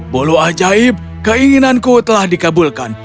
bolu ajaib keinginanku telah dikabulkan